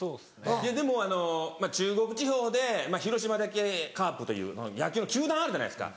でもあの中国地方で広島だけカープという野球の球団あるじゃないですか。